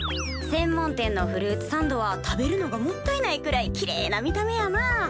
専門店のフルーツサンドは食べるのがもったいないくらいきれいな見た目やな。